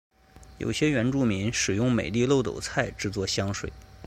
有些原住民使用美丽耧斗菜制作香水。